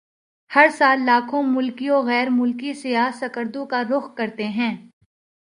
ہر سال لاکھوں ملکی وغیر ملکی سیاح سکردو کا رخ کرتے ہیں